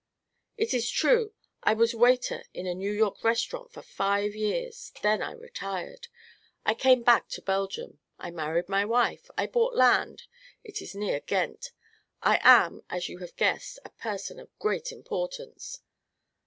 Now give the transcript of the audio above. "It is true. I was waiter in a New York restaurant for five years. Then I retired. I came back to Belgium. I married my wife. I bought land. It is near Ghent. I am, as you have guessed, a person of great importance."